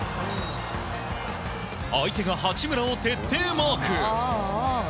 相手が八村を徹底マーク。